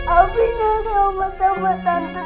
abi nyari oma sama tante dewi